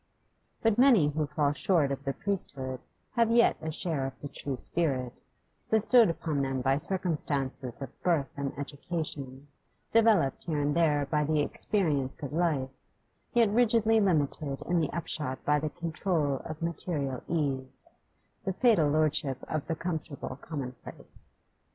But many who fall short of the priesthood have yet a share of the true spirit, bestowed upon them by circumstances of birth and education, developed here and there by the experience of life, yet rigidly limited in the upshot by the control of material ease, the fatal lordship of the comfortable commonplace.